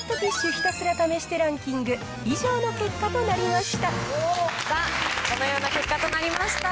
ひたすら試してランキング、以上の結果となりこのような結果となりました。